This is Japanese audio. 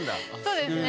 そうですね。